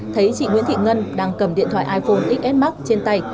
thấy chị nguyễn thị ngân đang cầm điện thoại iphone xs max trên tay